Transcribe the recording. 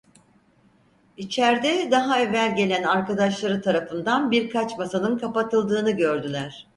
İçerde, daha evvel gelen arkadaşları tarafından birkaç masanın kapatıldığını gördüler.